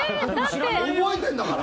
覚えてるんだから！